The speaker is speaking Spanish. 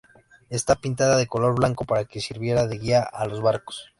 Está pintada de color blanco para que sirviera de guía a los barcos.